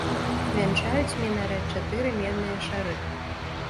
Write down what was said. Вянчаюць мінарэт чатыры медныя шары.